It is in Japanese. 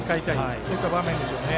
そういった場面でしょうね。